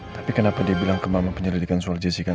tapi kenapa dia bilang ke mama penyelidikan soal jessica